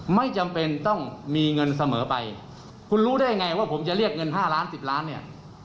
ไม่จำเป็นต้องมีเงินเสมอไปคุณรู้ได้ไงว่าผมจะเรียกเงิน๕ล้าน๑๐ล้านเนี่ย